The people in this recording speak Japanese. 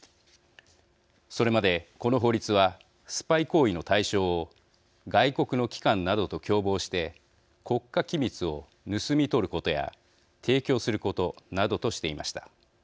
それまで、この法律はスパイ行為の対象を外国の機関などと共謀して国家機密を盗み取ることや提供することなどとしていました。